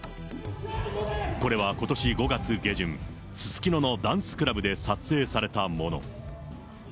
これはことし５月下旬、すすきののダンスクラブで撮影されたもの。